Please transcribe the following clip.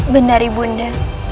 benar ibu nda